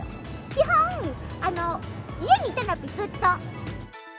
基本、家にいたなっぴ、ずっと。